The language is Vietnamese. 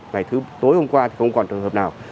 ngày thứ tối hôm qua thì không còn trường hợp nào